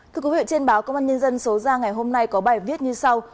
thưa quý vị trên báo công an nhân dân số ra ngày hôm nay có bài viết như sau